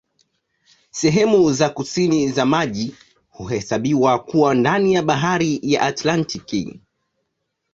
Sehemu za kusini za maji huhesabiwa kuwa ndani ya Bahari ya Antaktiki.